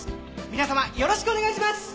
皆様よろしくお願いします！